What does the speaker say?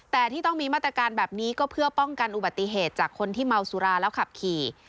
แต่ที่ต้องมีมาตรการแบบนี้ก็เพื่อป้องกันอุบัติเหตุจากคนที่เมาสุราแล้วขับขี่